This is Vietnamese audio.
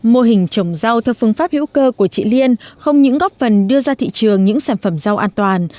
mô hình trồng rau theo phương pháp hữu cơ của chị liên không những góp phần đưa ra thị trường những sản phẩm rau an toàn